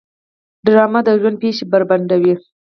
ډرامه د ژوند پېښې بربنډوي